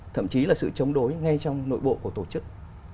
thậm chí là sự chống đối ngay trong nội bộ của tổ chức